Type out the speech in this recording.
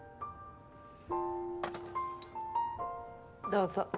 どうぞ。